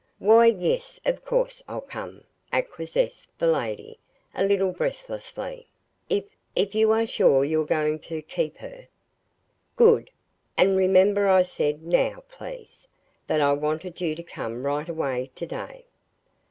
"Why, yes, of course I'll come," acquiesced the lady, a little breathlessly, "if if you are sure you're going to keep her." "Good! And remember I said 'now,' please that I wanted you to come right away, to day.